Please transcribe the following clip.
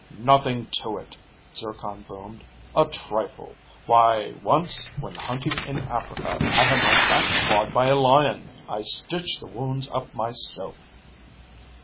"Nothing to it," Zircon boomed. "A trifle. Why, once, when hunting in Africa, I had my back clawed by a lion. I stitched the wounds up myself."